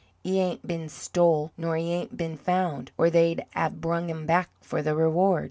'E ain't been stole, nor 'e ain't been found, or they'd 'ave brung him back for the reward.